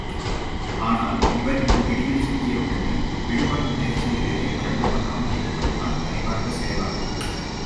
ஆனால், அவர் இந்தப் பிடியில் சிக்கிய உடனே, விடுபடும் முயற்சியிலே முரண்டு பண்ணாமல் இருப்பதுதான் அறிவார்ந்த செயலாகும்.